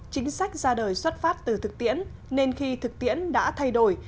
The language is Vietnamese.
chính sách ra đời xuất phát từ thực tiễn nên khi thực tiễn đã thay đổi